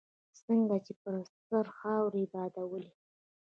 څنګه يې پر سر خاورې بادولې.